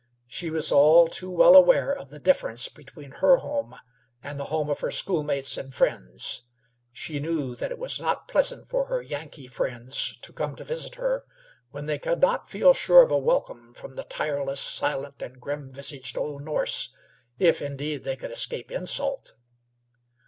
She was all too well aware of the difference between her home and the home of her schoolmates and friends. She knew that it was not pleasant for her "Yankee" friends to come to visit her when they could not feel sure of a welcome from the tireless, silent, and grim visaged old Norse, if, indeed, they could escape insult.